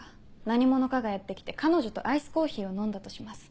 何者かがやって来て彼女とアイスコーヒーを飲んだとします。